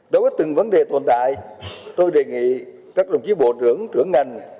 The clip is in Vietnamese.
đối với từng vấn đề tồn tại tôi đề nghị các đồng chí bộ trưởng trưởng ngành